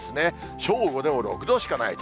正午でも６度しかないと。